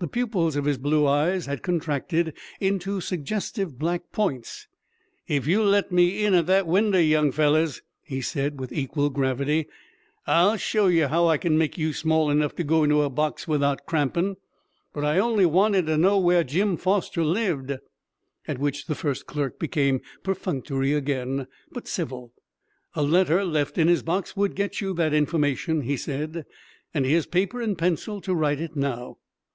The pupils of his blue eyes had contracted into suggestive black points. "Ef you'll let me in at that winder, young fellers," he said, with equal gravity, "I'll show yer how I kin make you small enough to go in a box without crampin'! But I only wanted to know where Jim Foster lived." At which the first clerk became perfunctory again, but civil. "A letter left in his box would get you that information," he said, "and here's paper and pencil to write it now."